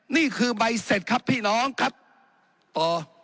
นี่คือใบเสร็จครับพี่น้องครับป๖